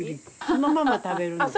そのまま食べるの？